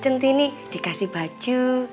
centini dikasih baju